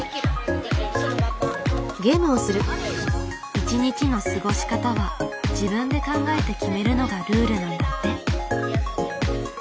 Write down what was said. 一日の過ごし方は自分で考えて決めるのがルールなんだって。